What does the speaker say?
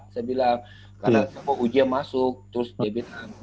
saya bilang karena kalau ujian masuk terus dia bilang